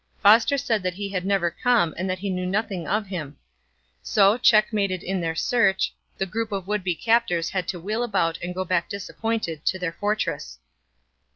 Foster said that he had never come and that he knew nothing of him. So, checkmated in their search, the group of would be captors had to wheel about and go back disappointed to their fortress.